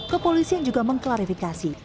kepolisian juga mengklarifikasi